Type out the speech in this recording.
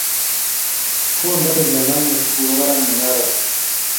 kondapeek lalangiet ko kowo parak mungaret